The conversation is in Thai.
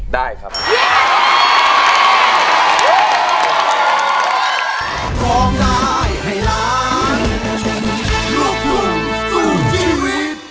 ได้ครับ